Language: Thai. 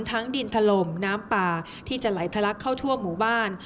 ดินถล่มน้ำป่าที่จะไหลทะลักเข้าทั่วหมู่บ้าน